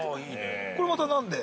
これまた、なんで？